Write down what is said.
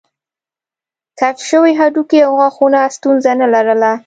کشف شوي هډوکي او غاښونه ستونزه نه لرله.